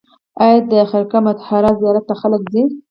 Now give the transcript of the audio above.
آیا د خرقه مطهره زیارت ته خلک ځي؟